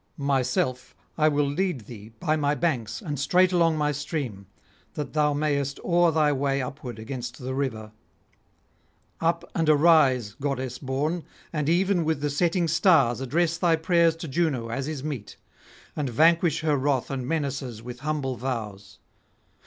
Myself I [57 89]will lead thee by my banks and straight along my stream, that thou mayest oar thy way upward against the river. Up and arise, goddess born, and even with the setting stars address thy prayers to Juno as is meet, and vanquish her wrath and menaces with humble vows.